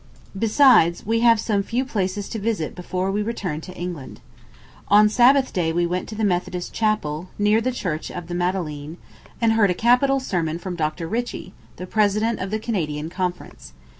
Besides, we have some few places to visit before we return to England. On Sabbath day we went to the Methodist Chapel, near the Church of the Madeleine, and heard a capital sermon from Dr. Ritchie, the president of the Canadian Conference.